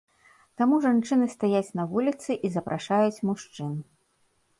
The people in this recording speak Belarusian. Таму жанчыны стаяць на вуліцы і запрашаюць мужчын.